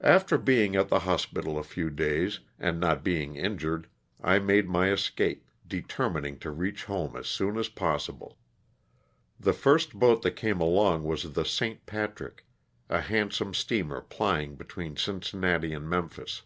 After being at the hospital a few days, and not being injured, I made my escape, determining to reach home as soon as possible. The first boat that came along was the "St. Patrick," a handsome steamer plying between Cincinnati and Memphis.